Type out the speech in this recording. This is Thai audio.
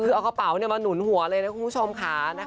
คือเอากระเป๋ามาหนุนหัวเลยนะคุณผู้ชมค่ะ